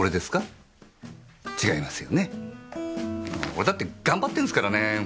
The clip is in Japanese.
俺だって頑張ってんすからね